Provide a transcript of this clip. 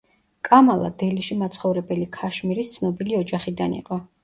კამალა დელიში მაცხოვრებელი ქაშმირის ცნობილი ოჯახიდან იყო.